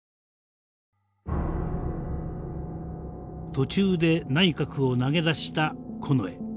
途中で内閣を投げ出した近衛。